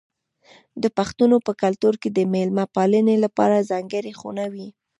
د پښتنو په کلتور کې د میلمه پالنې لپاره ځانګړې خونه وي.